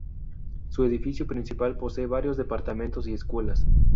Su edificio principal posee varios Departamentos y Escuelas.